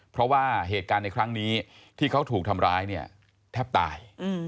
เพราะว่าเหตุการณ์ในครั้งนี้ที่เขาถูกทำร้ายเนี่ยแทบตาย